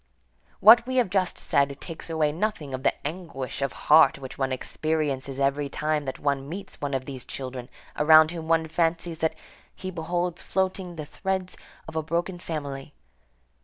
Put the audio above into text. What we have just said takes away nothing of the anguish of heart which one experiences every time that one meets one of these children around whom one fancies that he beholds floating the threads of a broken family.